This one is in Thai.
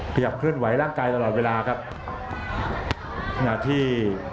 ขยับเคลื่อนไหวร่างกายตลอดเวลาครับขณะที่